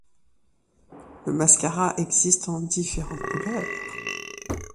Le mascara existe en différents couleurs.